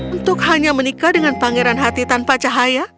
untuk hanya menikah dengan pangeran hati tanpa cahaya